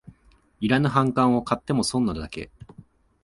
いらぬ反感を買っても損なだけ